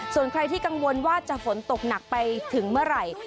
ส่วนใครที่กังวลว่าจะฝนตกหนักไปถึงเมื่อไหร่